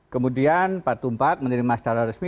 kemudian pak tumpat menerima secara resmi